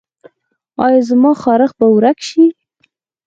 ایا زما خارښ به ورک شي؟